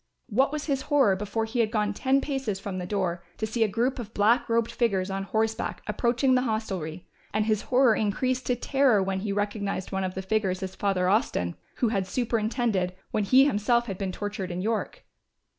What was his horror, before he had gone ten paces from the door, to see a group of black robed figures on horseback approaching the hostelry, and his horror increased to terror when he recognised one of the figures as Father Austin, who had superintended, when he himself had been tortured in York.